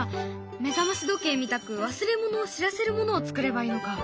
目覚まし時計みたく忘れ物を知らせるものをつくればいいのか。